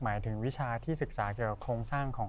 หมายถึงวิชาที่ศึกษาเกี่ยวกับโครงสร้างของ